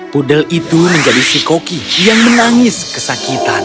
poodle itu menjadi si koki yang menangis kesakitan